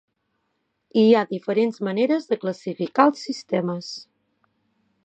Hi ha diferents maneres de classificar els sistemes.